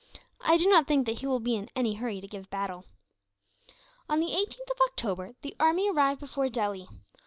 I do not think that he will be in any hurry to give battle." On the 18th of October, the army arrived before Delhi.